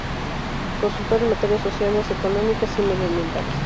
Consultor en materias sociales, económicas y medioambientales.